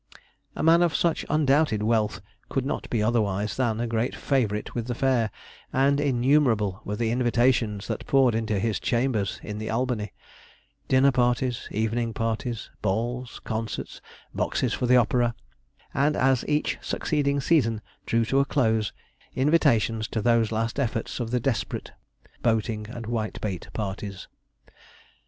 A man of such undoubted wealth could not be otherwise than a great favourite with the fair, and innumerable were the invitations that poured into his chambers in the Albany dinner parties, evening parties, balls, concerts, boxes for the opera; and as each succeeding season drew to a close, invitations to those last efforts of the desperate, boating and whitebait parties.